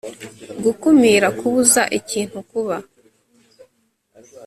gukumira kubuza ikintu kuba.